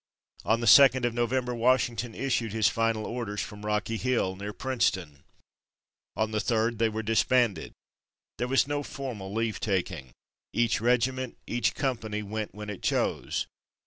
On the 2d of November Washington issued his final orders from Rocky Hill, near Princeton. On the 3d they were disbanded. There was no formal leave taking. Each regiment, each company, went when it chose.